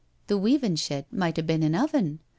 The weavin shed might a bin an oven.